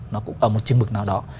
nó cũng ở một chương trình nào đó